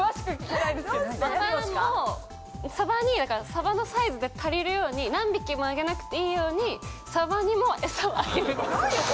サバのサイズが足りるように何匹もあげなくていいようにサバにもエサをあげる。